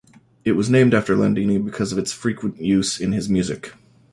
It was named after Landini because of its frequent use in his music.